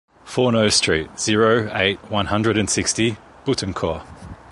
Fourneau Street, zero, eight, one hundred and sixty, Boutancourt